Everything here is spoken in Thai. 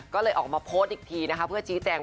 ก็เลยออกมาโพสต์อีกทีนะคะเพื่อชี้แจง